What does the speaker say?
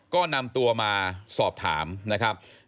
ก็นำตัวมาสอบถามนะครับ